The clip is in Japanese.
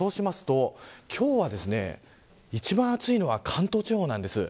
今日一番暑いのは関東地方です。